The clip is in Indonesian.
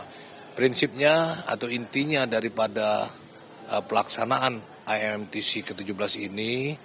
nah prinsipnya atau intinya daripada pelaksanaan imtc ke tujuh belas ini